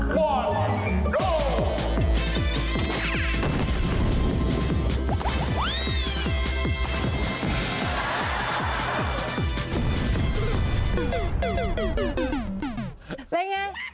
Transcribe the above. กลัวเล่นโห้